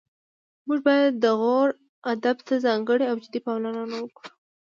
موږ باید د غور ادب ته ځانګړې او جدي پاملرنه وکړو